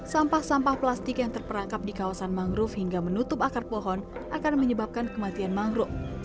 sampah sampah plastik yang terperangkap di kawasan mangrove hingga menutup akar pohon akan menyebabkan kematian mangrove